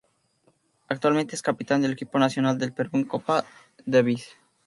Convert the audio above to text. Actualmente es Capitán del Equipo Nacional del Perú en Copa Davis